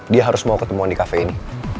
dia harus mau ketemuan di kafe ini